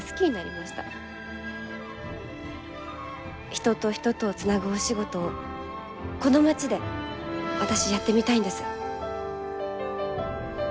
人と人とをつなぐお仕事をこの町で私やってみたいんです。